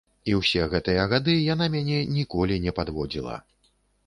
І ўсе гэтыя гады яна мяне ніколі не падводзіла.